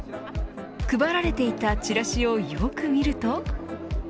配られていたチラシをよく見ると。